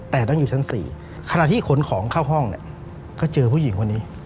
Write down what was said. แต่ต้องอยู่ชั้น๔ขณะที่ขนของเข้าห้องเนี่ยก็เจอผู้หญิงคนนี้